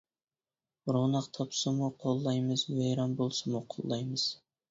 روناق تاپسىمۇ قوللايمىز ۋەيران بولسىمۇ قوللايمىز.